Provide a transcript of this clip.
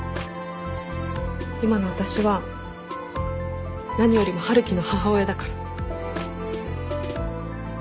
今の私は何よりも春樹の母親だから。